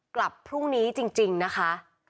กลับพรุ่งนี้จริงนะคะ